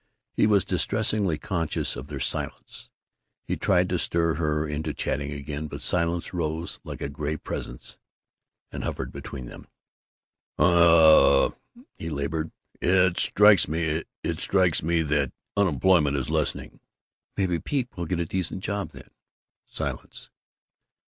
He was distressingly conscious of their silence. He tried to stir her into chattering again, but silence rose like a gray presence and hovered between them. "I, uh " he labored. "It strikes me it strikes me that unemployment is lessening." "Maybe Pete will get a decent job, then." Silence.